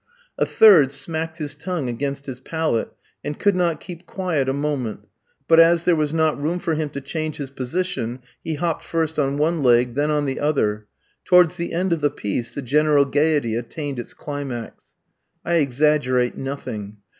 A third smacked his tongue against his palate, and could not keep quiet a moment; but as there was not room for him to change his position, he hopped first on one leg, then on the other; towards the end of the piece the general gaiety attained its climax. I exaggerate nothing.